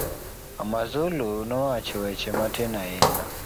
Amazulu nowacho weche matin ahinya.